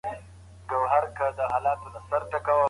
زه اوس د لوبو لپاره تمرين کوم.